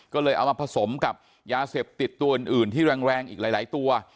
ก็เลยเอามาผสมกับยาเสพติดตัวอื่นที่แรงอีกหลายตัว